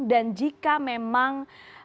dan jika memang